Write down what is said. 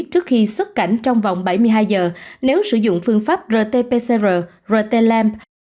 trước khi xuất cảnh trong vòng bảy mươi hai giờ nếu sử dụng phương pháp rt pcr rt lam